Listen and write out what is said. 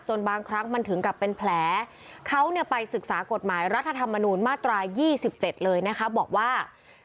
จนบางครั้งมันถึงกลับเป็นแผลเขาไปศึกษากฎหมายรัฐธรรมมาตราย๑๗เลยบอกว่า